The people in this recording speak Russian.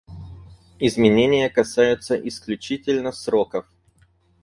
Изменения касаются исключительно сроков.